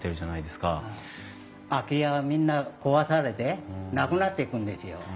空き家がみんな壊されてなくなっていくんですよ。